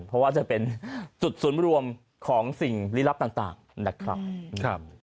เพราะว่าจะเป็นจุดศูนย์รวมของสิ่งลี้ลับต่างนะครับ